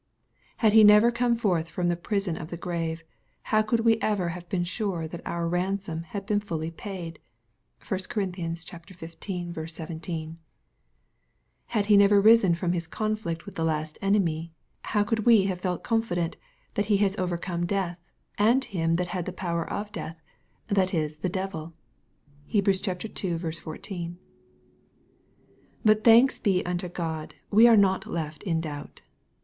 Had He never come forth from the prison of the grave, how could we ever have been sure that our ransom had been fully paid ? (1 Cor. xv. 17.) Had He never risen from His conflict with the last enemy, how could we have felt confident, that He has overcome death, and him that had the power of death, that is the devil ? (Heb. il 14.) But thanks be unto God, we are not left in doubt.